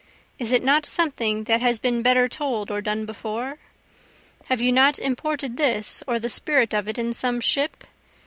Is it not something that has been better told or done before? Have you not imported this or the spirit of it in some ship?